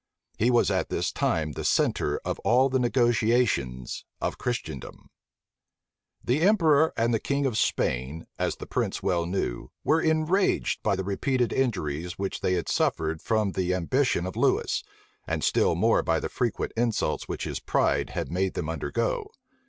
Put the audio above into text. He was at this time the centre of all the negotiations of Christendom. * Bennet vol. i. p. 711. D'Avanx, April 15, 1688. The emperor and the king of Spain, as the prince well knew, were enraged by the repeated injuries which they had suffered from the ambition of Lewis, and still more by the frequent insults which his pride had made them undergo.